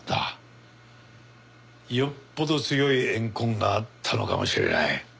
よっぽど強い怨恨があったのかもしれない。